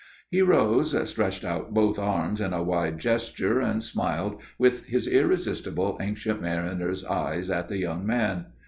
He rose, stretched out both arms in a wide gesture and smiled with his irresistible Ancient Mariner's eyes at the young man.